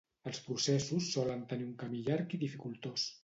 Els processos solen tenir un camí llarg i dificultós.